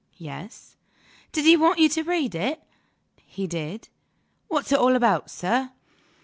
"Yes." "Did he want you to read it?" "He did." "What's it all about, sir?"